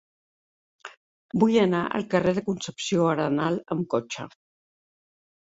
Vull anar al carrer de Concepción Arenal amb cotxe.